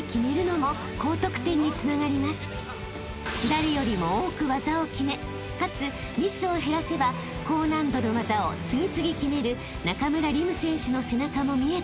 ［誰よりも多く技を決めかつミスを減らせば高難度の技を次々決める中村輪夢選手の背中も見えてくる］